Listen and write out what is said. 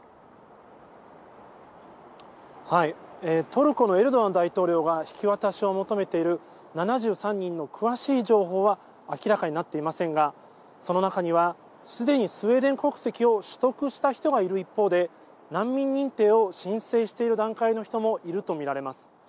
トルコのエルドアン大統領が引き渡しを求めている７３人の詳しい情報は明らかになっていませんがその中にはすでにスウェーデン国籍を取得した人がいる一方で難民認定を申請している段階の人もいると見られます。